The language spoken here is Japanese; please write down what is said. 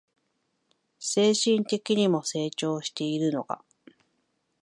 精神的にも成長しているのが